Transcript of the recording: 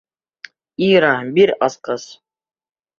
Ира, бир асҡыс!